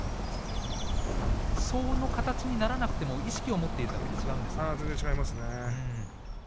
その形にならなくても意識を持っているだけで全然違いますね。